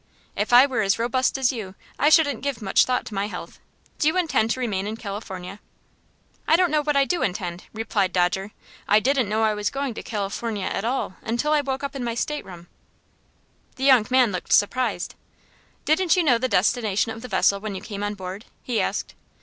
"If I were as robust as you, I shouldn't give much thought to my health. Do you intend to remain in California?" "I don't know what I do intend," replied Dodger. "I didn't know I was going to California at all until I woke up in my stateroom." The young man looked surprised. "Didn't you know the destination of the vessel when you came on board?" he asked.